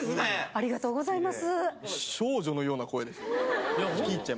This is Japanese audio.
ありがとうございます。